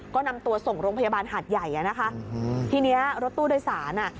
ก็นำตัวส่งโรงพยาบาลหาดใหญ่อ่ะนะคะอืมทีเนี้ยรถตู้โดยสารอ่ะ